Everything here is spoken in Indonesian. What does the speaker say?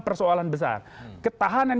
persoalan besar ketahanan